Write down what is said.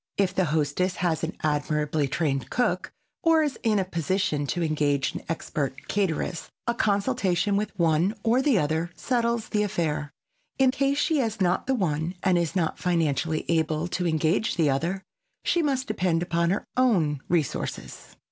If the hostess has an admirably trained cook or is in a position to engage an expert cateress, a consultation with one or the other settles the affair. In case she has not the one and is not financially able to engage the other, she must depend upon her own resources.